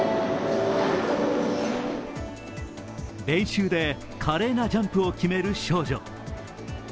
練習で華麗なジャンプを決める少女。